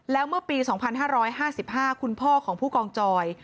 แล้วเมื่อปี๒๕๕๕คุณพ่อของผู้กองจอย